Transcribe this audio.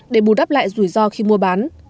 để bù đắp lại rủi ro khi mua bán